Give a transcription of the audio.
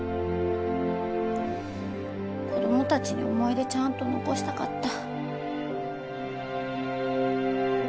子供たちに思い出ちゃんと残したかった。